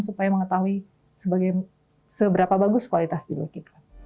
supaya mengetahui seberapa bagus kualitas hidup kita